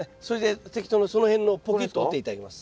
適当なその辺のポキッと折って頂きます。